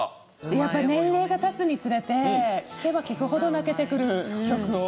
やっぱり年齢が経つにつれて聴けば聴くほど泣けてくる曲を。